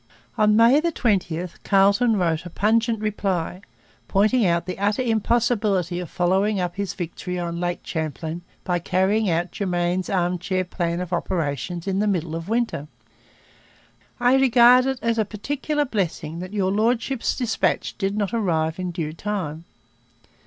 On May 20 Carleton wrote a pungent reply, pointing out the utter impossibility of following up his victory on Lake Champlain by carrying out Germain's arm chair plan of operations in the middle of winter. 'I regard it as a particular blessing that your Lordship's dispatch did not arrive in due time.'